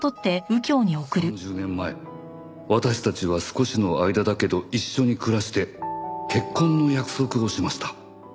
「３０年前私たちは少しの間だけど一緒に暮らして結婚の約束をしました」